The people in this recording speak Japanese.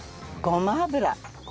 ごま油。